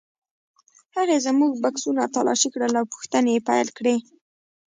هغې زموږ بکسونه تالاشي کړل او پوښتنې یې پیل کړې.